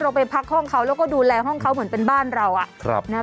พอเราไปพักห้องเขาแล้วก็ดูแลห้องเขาเหมือนเป็นบ้านเรานะคะ